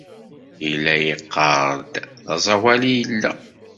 Yella yeqqar-d d aẓawali i yella.